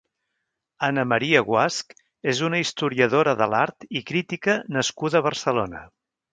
Anna Maria Guasch és una historiadora de l'art i crítica nascuda a Barcelona.